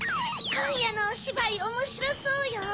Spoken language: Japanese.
こんやのおしばいおもしろそうよ。